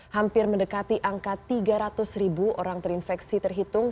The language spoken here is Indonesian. hampir mendekati angka tiga ratus ribu orang terinfeksi terhitung